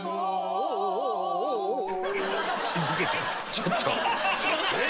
ちょっと。